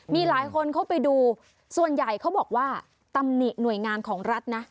มีหลายคนเข้าไปดูส่วนใหญ่เขาบอกว่าตำหนิหน่วยงานของรัฐนะ